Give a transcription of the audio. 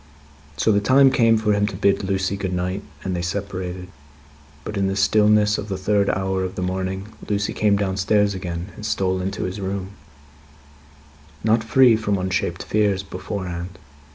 So, the time came for him to bid Lucie good night, and they separated. But, in the stillness of the third hour of the morning, Lucie came downstairs again, and stole into his room; not free from unshaped fears, beforehand.